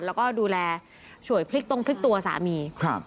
แล้วก็ดูแลช่วยพลิกตรงพลิกตัวสามีครับ